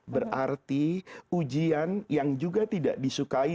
berarti ujian yang juga tidak disukai